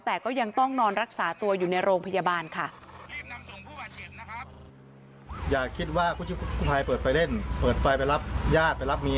แต่ก็ยังต้องนอนรักษาตัวอยู่ในโรงพยาบาลค่ะ